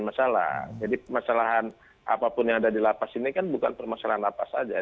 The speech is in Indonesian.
masalah jadi masalahan apapun yang ada di lapas ini kan bukan permasalahan lapas saja